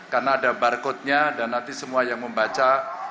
karena ada barcode nya dan nanti semua yang membaca